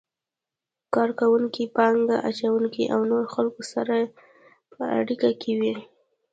کار کوونکو، پانګه اچونکو او نورو خلکو سره په اړیکه کې وي.